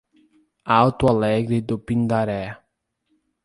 Alto Alegre do Pindaré